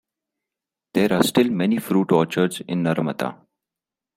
There are still many fruit orchards in Naramata.